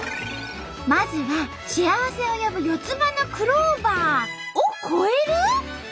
まずは幸せを呼ぶ四つ葉のクローバーを超える！？